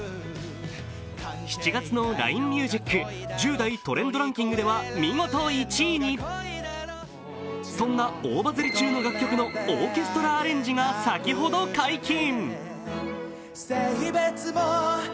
７月のＬＩＮＥＭＵＳＩＣ１０代トレンドランキングでは見事１位にそんな大バズり中の楽曲のオーケストラアレンジが先ほど解禁。